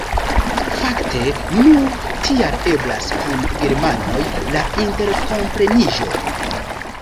Fakte nur tial eblas kun germanoj la interkompreniĝo.